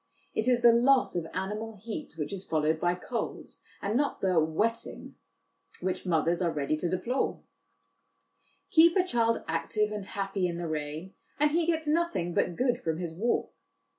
It is the loss of animal heat which is followed by 'colds,' and not the 'wetting,' 88 HOME EDUCATION which mothers are ready to deplore. Keep a child active and happy in the rain, and he gets nothing but good from his walk.